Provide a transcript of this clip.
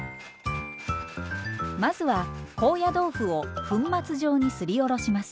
まずは高野豆腐を粉末状にすりおろします。